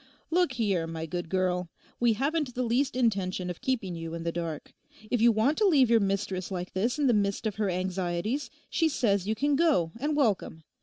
'Look here, my good girl, we haven't the least intention of keeping you in the dark. If you want to leave your mistress like this in the midst of her anxieties she says you can go and welcome.